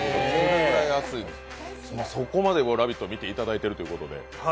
そこまで「ラヴィット！」を見ていただいているということで。